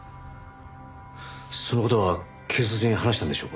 その事は警察に話したんでしょうか？